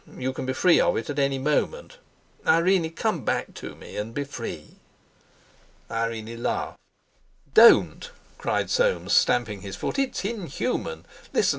You can be free of it at any moment. Irene, come back to me, and be free." Irene laughed. "Don't!" cried Soames, stamping his foot; "it's inhuman. Listen!